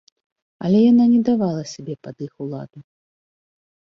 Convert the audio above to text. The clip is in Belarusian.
Але яна не давала сябе пад іх уладу.